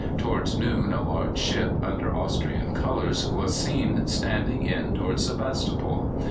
Towards noon a large ship, under Austrian colours, was seen standing in towards Sebastopol.